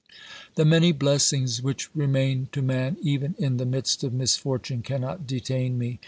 The many blessings which remain to man even in the midst of misfortune cannot detain me.